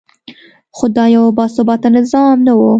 خو دا یو باثباته نظام نه و.